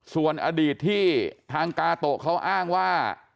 ส่วนอดีตที่ทางกาโตะเขาอ้างว่า